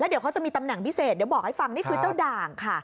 เดี๋ยวเขาจะมีตำแหน่งพิเศษเดี๋ยวบอกให้ฟังนี่คือเจ้าด่างค่ะ